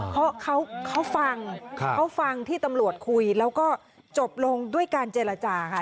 เพราะเขาฟังเขาฟังที่ตำรวจคุยแล้วก็จบลงด้วยการเจรจาค่ะ